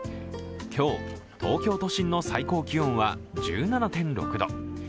今日、東京都心の最高気温は１７．６度。